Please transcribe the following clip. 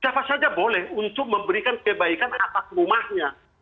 siapa saja boleh untuk memberikan kebaikan atas rumahnya